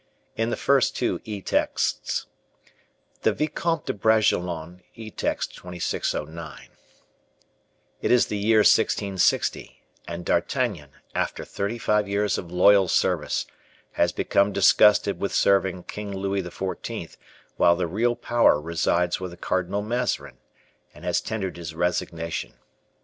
In the first three etexts: The Vicomte de Bragelonne (Etext 2609): It is the year 1660, and D'Artagnan, after thirty five years of loyal service, has become disgusted with serving King Louis XIV while the real power resides with the Cardinal Mazarin, and has tendered his resignation.